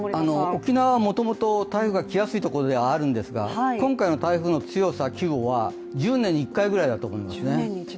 沖縄はもともと台風が来やすいところではあるんですが、今回の台風の強さ、規模は１０年に一回ぐらいだと思います。